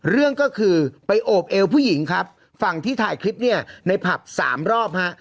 เรื่องก็คือไปโอบเอวผู้หญิงครับฝั่งที่ถ่ายคลิปเนี่ยในผับสามรอบฮะ